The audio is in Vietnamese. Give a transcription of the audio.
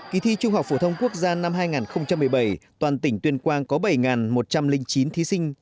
kỳ thi trung học phổ thông quốc gia năm hai nghìn một mươi bảy toàn tỉnh tuyên quang có bảy một trăm linh chín thí sinh